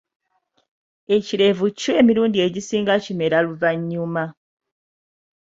Ekirevu kyo emirundi egisinga kimera luvannyuma.